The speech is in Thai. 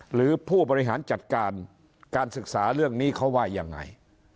หรือผู้บริหารจัดการการศึกษาเรื่องนี้เขาว่ายังไง